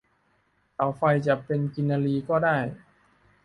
เสาไฟจะเป็นกินรีก็ได้